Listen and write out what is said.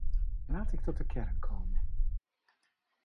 Laat ik tot de kern komen.